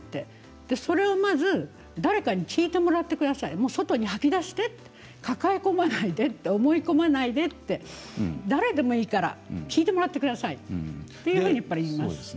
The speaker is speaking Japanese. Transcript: それを、まず誰かに聞いてもらってください外に吐き出して、抱え込まないで思い込まないでって誰でもいいから聞いてもらってくださいと言います。